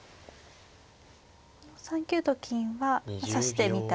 ３九と金は指してみたい。